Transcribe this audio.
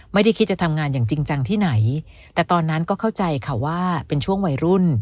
ไม่ได้คิดจะทำงานอย่างจริงจังที่ไหนแต่ตอนนั้นก็เข้าใจค่ะว่าเป็นช่วงวัยรุ่น